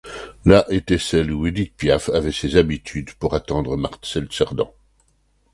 La était celle où Édith Piaf avait ses habitudes pour attendre Marcel Cerdan.